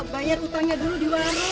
bayar utangnya dulu di warung